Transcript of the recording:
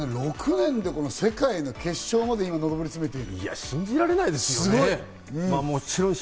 小澤さん、６年で世界の決勝まで上り詰める。